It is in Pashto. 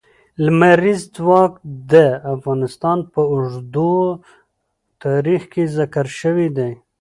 لمریز ځواک د افغانستان په اوږده تاریخ کې ذکر شوی دی.